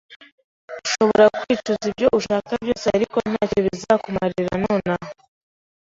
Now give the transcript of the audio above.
Urashobora kwicuza ibyo ushaka byose, ariko ntacyo bizakumarira nonaha